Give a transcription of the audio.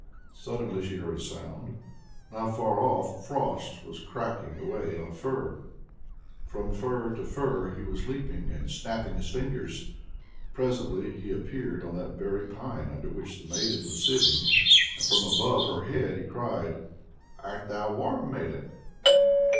Suddenly she heard a sound. Not far off, Frost was cracking away on a fir. From fir to fir was he leaping, and snapping his fingers. Presently he appeared on that very pine under which the maiden was sitting and from above her head he cried: "Art thou warm, maiden?"